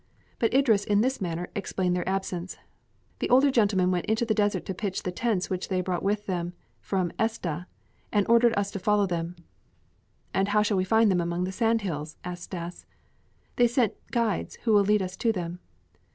But Idris in this manner explained their absence. "The older gentlemen went into the desert to pitch the tents which they brought with them from Etsah, and ordered us to follow them." "And how shall we find them among the sand hills?" asked Stas. "They sent guides who will lead us to them."